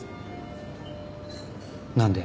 何で？